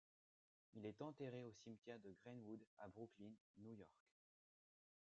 Il est enterré au cimetière de Green-Wood à Brooklyn, New York.